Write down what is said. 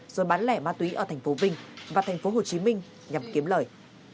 rồi bán lẻ ma túy ở tp vinh và tp hồ chí minh nhằm kiếm lời